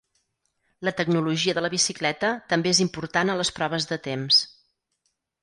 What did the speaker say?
La tecnologia de la bicicleta també és important a les proves de temps.